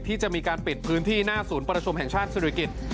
ที่จะมีการปิดพื้นที่หน้าศูนย์ประชุมแห่งชาติศิริกิจ